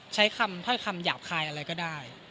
ใช้คำถ้อยคำหยาบคายอะไรก็ได้